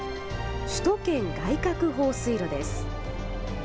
首都圏外郭放水路です。